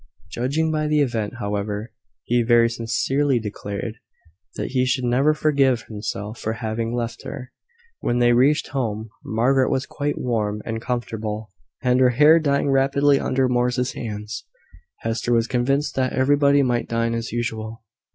Judging by the event, however, he very sincerely declared that he should never forgive himself for having left her. When they reached home, Margaret was quite warm and comfortable, and her hair drying rapidly under Morris's hands. Hester was convinced that everybody might dine as usual.